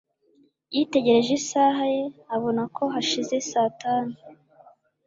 Yitegereje isaha ye abona ko hashize saa tanu.